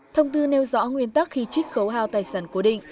thông tư nêu rõ nguyên tắc khi trích khấu hao tài sản cố định